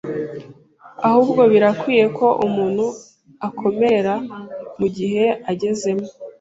ahubwo birakwiye ko umuntu akomerera mu gihe agezemo